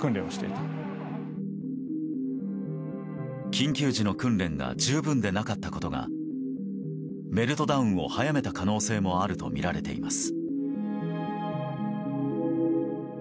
緊急時の訓練が十分でなかったことがメルトダウンを早めた可能性もあるとみられています。